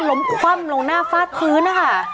ล้มคร่อมลงหน้าฟากพื้น